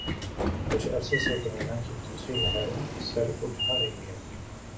کچھ عرصہ سے کورونا کی دوسری لہر سر اٹھا رہی ہے